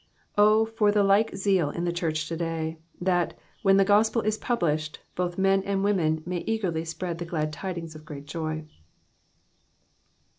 O for the like zeal in the church of to day, that, when the gospel is published, both men and women may eagerly spread the glad tidings of great joy.